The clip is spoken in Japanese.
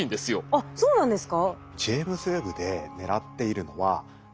あっそうなんですか？